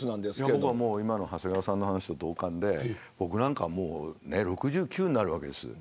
今の長谷川さんの話に同感で僕なんかは６９になるわけです。